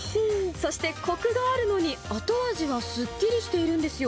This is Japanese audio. そしてこくがあるのに、後味がすっきりしているんですよ。